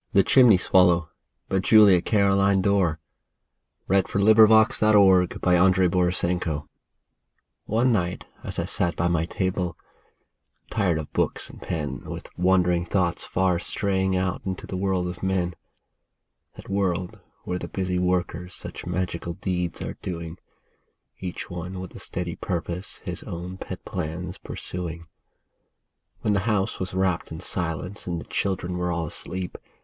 l Love and Hope for me their chalice fill, — Life, turn not thou away ! THE CHIMNEY SWALLOW One night as I sat by my table, Tired of books and pen, With wandering thoughts far straying Out into the world of men ;— That world where the busy workers Such magical deeds are doing, Each one with a steady purpose His own pet plans pursuing ; When the house was wrapt in silence, And the children were all asleep.